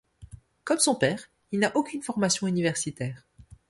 Comme son père, il n'a aucune formation universitaire.